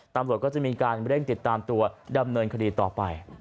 ตำรวจก็จะมีการเร่งติดตามตัวดำเนินคดีต่อไป